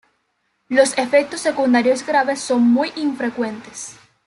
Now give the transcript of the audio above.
Los efectos secundarios graves son muy infrecuentes.